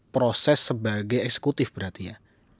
proses sebagai eksekutif berarti ya